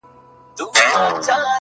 • ستا سومه؛ چي ستا سومه؛ چي ستا سومه؛